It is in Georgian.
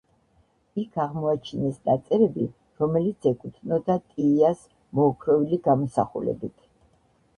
იქ აღმოაჩინეს ნაწერები რომელიც ეკუთვნოდა ტიიას მოოქროვილი გამოსახულებით.